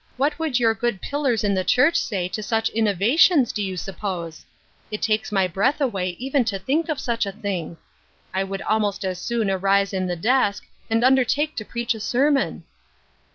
What would your good pillars in the church say to such innovations, do you suppose ? It takes my breath away even to think of such a thing I I would almost as soon arise in the desk, and undertake to preach a sermon."